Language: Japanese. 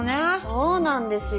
そうなんですよ。